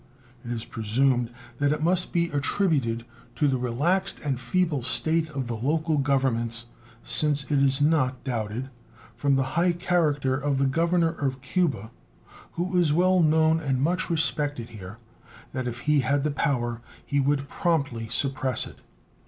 It is presumed that it must be attributed to the relaxed and feeble state of the local governments, since it is not doubted, from the high character of the governor of Cuba, who is well known and much respected here, that if he had the power he would promptly suppress it.